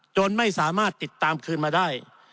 จนไม่สามารถติดตามคืนมาได้